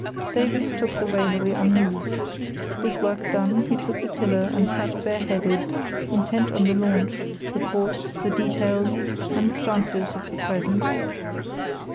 Davies took the raillery unmoved. His work done, he took the tiller and sat bareheaded, intent on the launch, the course, the details, and chances of the present.